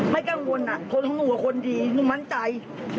ไม่กังวลคนของหนูคนดีมันไต